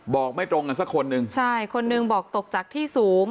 บอกไม่ตรงคนนึงบอกตกจักที่สูง